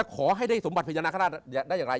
ไม่ได้สมบัติพญานาคได้อย่างไร